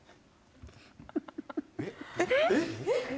えっ？